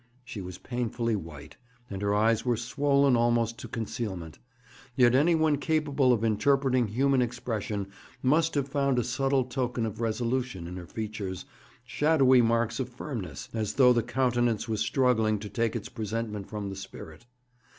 She was painfully white, and her eyes were swollen almost to concealment. Yet anyone capable of interpreting human expression must have found a subtle token of resolution in her features, shadowy marks of firmness, as though the countenance was struggling to take its presentment from the spirit.